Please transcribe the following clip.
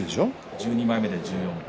１２枚目で１４番。